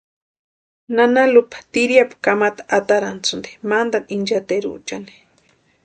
Nana Lupa tiriapu kamata atarantʼasïnti mantani inchateruchani.